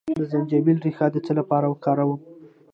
د زنجبیل ریښه د څه لپاره وکاروم؟